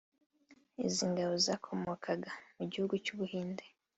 izi ngabo zakomokaga mu gihugu cy’u Buhinde